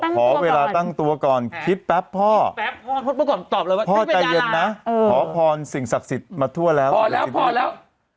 ขอเวลาตั้งตัวก่อนคิดแป๊บพ่อตอบเลยว่าพ่อใจเย็นนะขอพรสิ่งศักดิ์สิทธิ์มาทั่วแล้วพอแล้วพอแล้ว